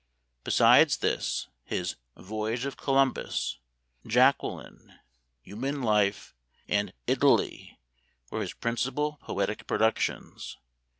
Besides this, his "Voyage of Columbus," "Jacqueline," "Human Life," and "Italy," were his principal poetic pro ductions.